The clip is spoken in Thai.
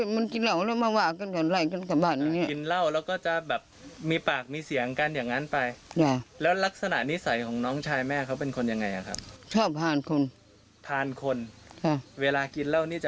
มันกินเหล้าแล้วมาวาก่อนก่อนไหล่กันกันไป